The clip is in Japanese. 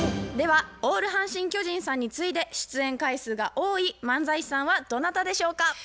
ではオール阪神・巨人さんに次いで出演回数が多い漫才師さんはどなたでしょうか？